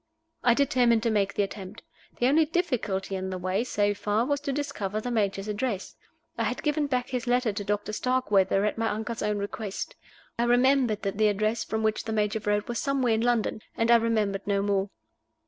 I determined to make the attempt. The only difficulty in the way, so far, was to discover the Major's address. I had given back his letter to Doctor Starkweather, at my uncle's own request. I remembered that the address from which the Major wrote was somewhere in London and I remembered no more.